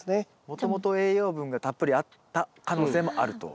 もともと栄養分がたっぷりあった可能性もあると。